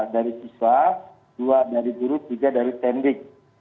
enam puluh dua dari siswa dua dari guru tiga dari pendik